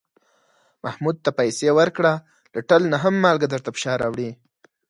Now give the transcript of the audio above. محمود ته پسې ورکړه، له ټل نه هم مالگه درته په شا راوړي.